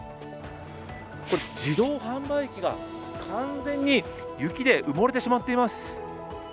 自動販売機が完全に雪で埋もれてしまっています。